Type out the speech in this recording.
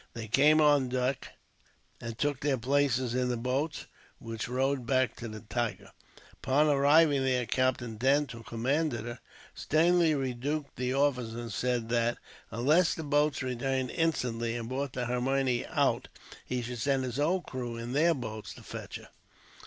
They came on deck and took their places in the boats, which rowed back to the Tiger. Upon arriving there Captain Dent, who commanded her, sternly rebuked the officer; and said that, unless the boats returned instantly and brought the Hermione out, he should send his own crew in their boats to fetch her.